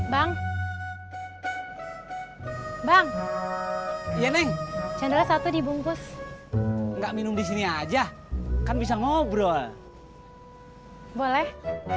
bang bang ya neng cendra satu dibungkus nggak minum di sini aja kan bisa ngobrol boleh